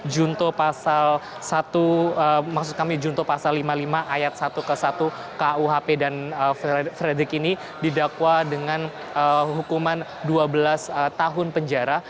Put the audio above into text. junto pasal satu maksud kami junto pasal lima puluh lima ayat satu ke satu kuhp dan frederick ini didakwa dengan hukuman dua belas tahun penjara